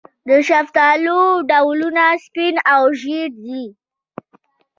د شفتالو ډولونه سپین او ژیړ دي.